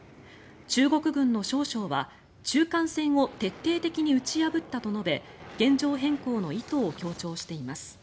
中国軍の少将は、中間線を徹底的に打ち破ったと述べ現状変更の意図を強調しています。